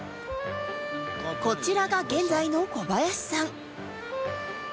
こちらが現在の小林さん